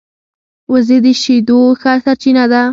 وزې د شیدو ښه سرچینه ده